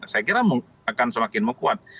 saya kira akan semakin menguat